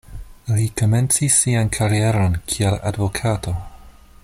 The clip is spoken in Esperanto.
Li komencis sian karieron kiel advokato.